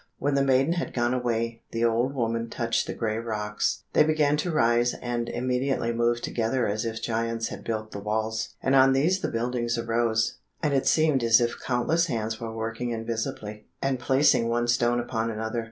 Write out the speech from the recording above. When the maiden had gone away, the old woman touched the gray rocks. They began to rise, and immediately moved together as if giants had built the walls; and on these the building arose, and it seemed as if countless hands were working invisibly, and placing one stone upon another.